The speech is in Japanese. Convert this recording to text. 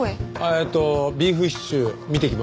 ええとビーフシチュー見てきます。